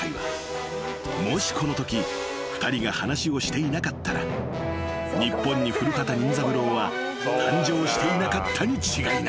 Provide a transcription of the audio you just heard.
［もしこのとき２人が話をしていなかったら日本に『古畑任三郎』は誕生していなかったに違いない］